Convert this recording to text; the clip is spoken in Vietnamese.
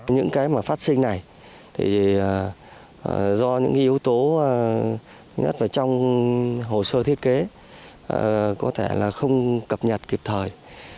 những cái mà phát sinh này thì do những yếu tố nhất là trong hồ sơ thiết kế có thể là không cập nhật kịp thời